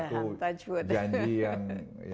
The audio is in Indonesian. itu satu janji yang